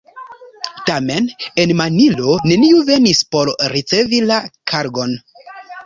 Tamen en Manilo neniu venis por ricevi la kargon.